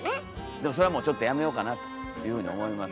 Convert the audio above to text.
でもそれはもうちょっとやめようかなというふうに思います。